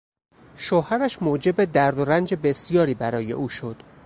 شوهرش موجب درد و رنج بسیاری برای او شد.